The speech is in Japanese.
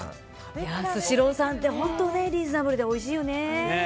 スシローさんって本当リーズナブルでおいしいよね。